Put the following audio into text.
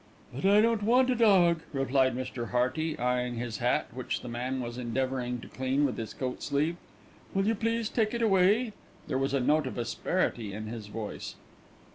"But I don't want a dog," replied Mr. Hearty, eyeing his hat, which the man was endeavouring to clean with his coat sleeve. "Will you please take it away?" There was a note of asperity in his voice.